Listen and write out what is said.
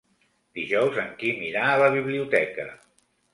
Dijous en Quim irà a la biblioteca.